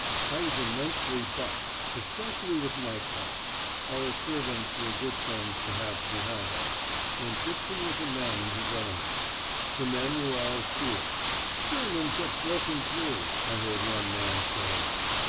I was immensely bucked, especially with my pipe. Our servants were good friends to have behind us, and Dixon was a man in his element. The men were all cool. 'Germans have broken through,' I heard one man say.